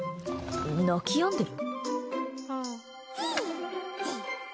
鳴きやんでる？